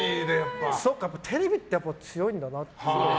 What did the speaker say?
テレビってやっぱ強いんだなって。